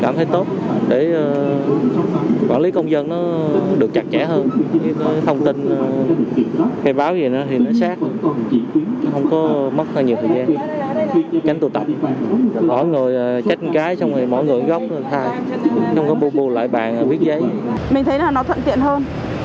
mình thấy là nó thuận tiện hơn